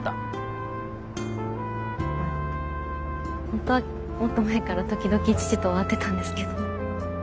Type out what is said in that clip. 本当はもっと前から時々父とは会ってたんですけど。